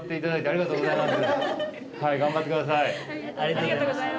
ありがとうございます。